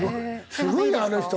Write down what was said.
すごいよあの人。